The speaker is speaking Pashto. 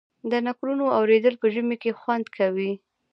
د نکلونو اوریدل په ژمي کې خوند کوي.